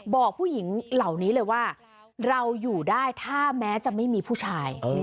บอกผู้หญิงเหล่านี้เลยว่าเราอยู่ได้ถ้าแม้จะไม่มีผู้ชาย